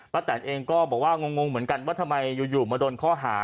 แตนเองก็บอกว่างงเหมือนกันว่าทำไมอยู่มาโดนข้อหา